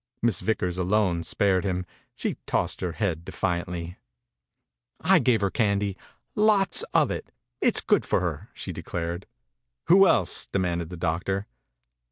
Miss Vickers alone spared him. She tossed her head defiantly. "I gave her candy. Lots of io6 THE INCUBATOR BABY it. It*s good for her," she declared. "Who else?" demanded the doctor.